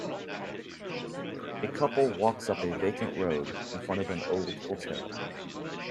A couple walks up a vacant road, in front of an old hotel.